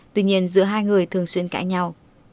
tuy nhiên giữa hai người thường xuyên cãi nhau